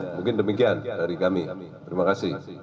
mungkin demikian dari kami terima kasih